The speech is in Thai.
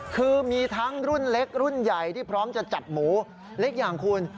คือมีทั้งรุ่นเล็กรุ่นใหญ่ที่พร้อมจะจับหมูเล็กอย่างคุณ